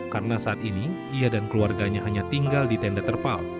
karena saat ini ia dan keluarganya hanya tinggal di tenda terpal